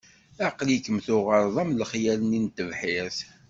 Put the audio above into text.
Aql-ikem tuɣaleḍ am lexyal-nni n tebḥirt.